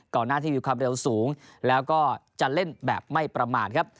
หน้าที่มีความเร็วสูงแล้วก็จะเล่นแบบไม่ประมาทครับ